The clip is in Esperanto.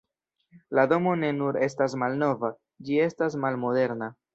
La domo ne nur estas malnova, ĝi estas malmoderna.